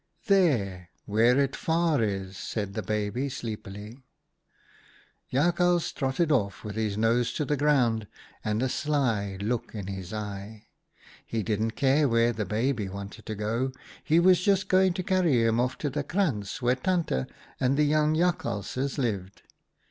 "' There, where it far is,' said the baby, sleepily. " Jakhals trotted off with his nose to the HOW JACKAL GOT HIS STRIPE 83 ground and a sly look in his eye. He didn't care where the baby wanted to go ; he was just going to carry him off to the krantz where Tante and the young Jakhalses lived.